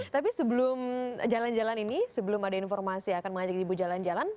tapi sebelum jalan jalan ini sebelum ada informasi akan mengajak ibu jalan jalan